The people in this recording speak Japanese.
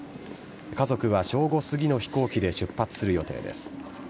家族は正午すぎの飛行機で出発する予定です。